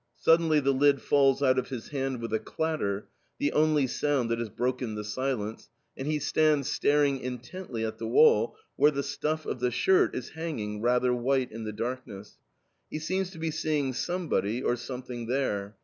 Suddenly the lid falls out of his hand with a clatter the only sound that has broken the silence and he stands staring intently at the wall where the stuff of the shirt is hanging rather white in the darkness he seems to be seeing somebody or something there.